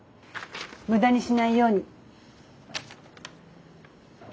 無駄にしないように。